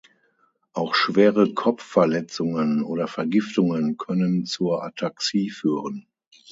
Auch schwere Kopfverletzungen oder Vergiftungen können zur Ataxie führen.